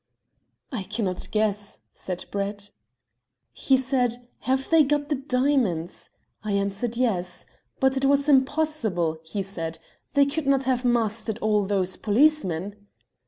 "I cannot guess," said Brett. "He said: 'Have they got the diamonds?' "I answered 'Yes.' "'But it was impossible,' he said. 'They could not have mastered all those policemen.'